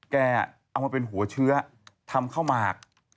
แกเอามาเป็นหัวเชื้อทำข้าวหมาก